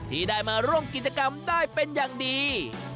ที่ได้มาร่วมกิจกรรมได้เป็นอย่างดี